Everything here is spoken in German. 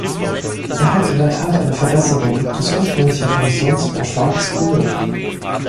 Er hat in der Tat eine Verbesserung des ursprünglichen Kommissionsvorschlags bewirkt.